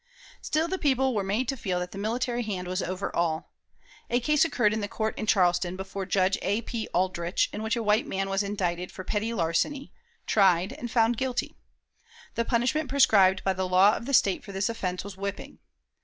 Still the people were made to feel that the military hand was over all. A case occurred in the court in Charleston, before Judge A. P. Aldrich, in which a white man was indicted for petty larceny, tried, and found guilty. The punishment prescribed by the law of the State for this offense was whipping.